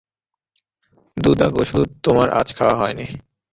দু দাগ ওষুধ তোমার আজ খাওয়া হয় নি।